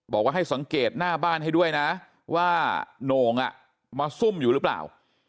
บอกว่าให้สังเกตหน้าบ้านให้ด้วยนะว่าโหน่งมาซุ่มอยู่หรือเปล่า